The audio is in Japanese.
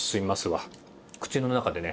口の中でね